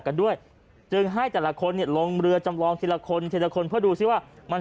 กันด้วยจึงให้แต่ละคนลงเรือจำลองทีละคนเพื่อดูว่ามัน